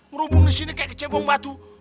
merumbung di sini kayak kecembung batu